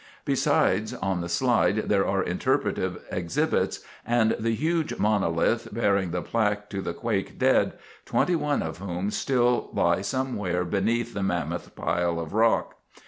Besides, on the slide there are interpretive exhibits, and the huge monolith bearing the plaque to the quake dead, 21 of whom still lie somewhere beneath this mammoth pile of rock.